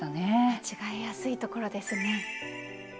間違えやすいところですね。